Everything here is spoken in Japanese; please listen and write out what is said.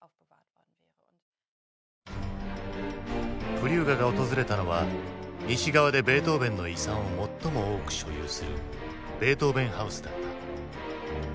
クリューガが訪れたのは西側でベートーヴェンの遺産を最も多く所有するベートーヴェン・ハウスだった。